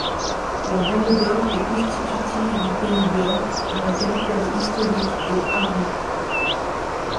La vallée d'Aure est constitutive du pays d'Aure, dont la capitale historique est Arreau.